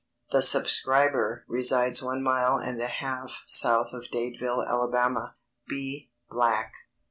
The subscriber resides one mile and a half south of Dadeville, Ala. B. BLACK.